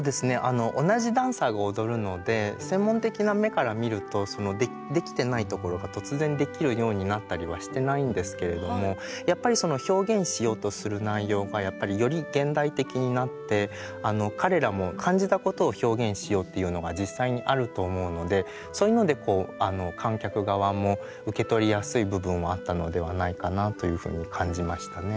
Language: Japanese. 同じダンサーが踊るので専門的な目から見るとできてないところが突然できるようになったりはしてないんですけれどもやっぱり表現しようとする内容がやっぱりより現代的になって彼らも感じたことを表現しようっていうのが実際にあると思うのでそういうので観客側も受け取りやすい部分はあったのではないかなというふうに感じましたね。